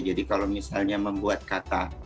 jadi kalau misalnya membuat kata